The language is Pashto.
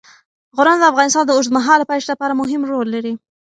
غرونه د افغانستان د اوږدمهاله پایښت لپاره مهم رول لري.